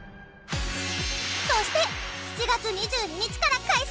そして７月２２日から開催